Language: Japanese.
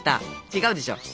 違うでしょ。